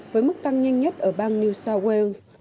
với mức tăng nhanh nhất ở bang new south wales